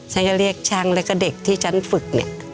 ฉันก็เรียกช่างแล้วก็เด็กที่ฉันฝึกเนี่ย